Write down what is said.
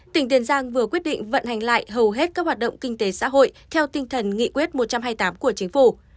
tỉnh tiền giang vừa quyết định vận hành lại hầu hết các hoạt động kinh tế xã hội theo tinh thần nghị quyết một trăm hai mươi tám của chính phủ